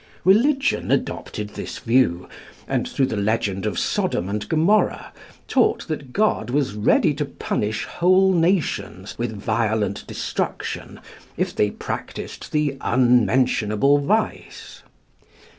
Religion adopted this view, and, through the legend of Sodom and Gomorrah, taught that God was ready to punish whole nations with violent destruction if they practised the "unmentionable vice."